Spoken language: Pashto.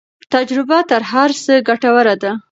تجربه تر هر څه ګټوره ده.